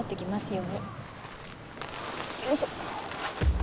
よいしょ。